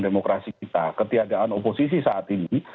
demokrasi kita ketiadaan oposisi saat ini